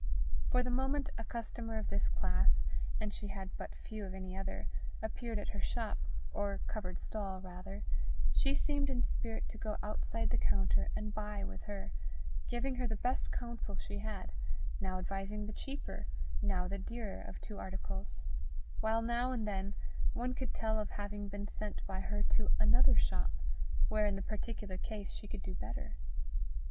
For the moment a customer of this class, and she had but few of any other, appeared at her shop, or covered stall, rather, she seemed in spirit to go outside the counter and buy with her, giving her the best counsel she had, now advising the cheaper, now the dearer of two articles; while now and then one could tell of having been sent by her to another shop, where, in the particular case, she could do better.